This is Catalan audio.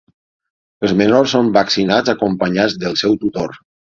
Els menors són vaccinats acompanyats del seu tutor.